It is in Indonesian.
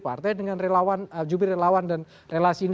partai dengan relawan jubir relawan dan relasi ini